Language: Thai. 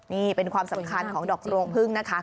นี่เป็นความสำคัญของดอกรวงพึ่งนะคะ